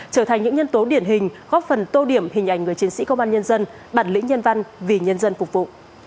trở thành những nhân tố điển hình góp phần tô điểm hình ảnh người chiến sĩ công an nhân dân bản lĩnh nhân văn vì nhân dân phục vụ